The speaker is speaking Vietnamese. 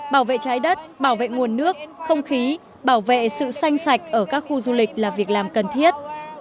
bảo vệ trái đất bảo vệ nguồn nước không khí bảo vệ sự xanh sạch ở các khu du lịch là việc làm cần thiết